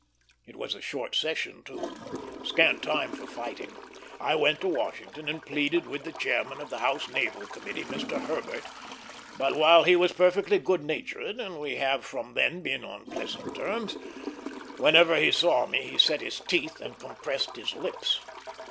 It was a short session, too; scant time for fighting. I went to Washington, and pleaded with the chairman of the House naval committee, Mr. Herbert; but while he was perfectly good natured, and we have from then been on pleasant terms, whenever he saw me he set his teeth and compressed his lips.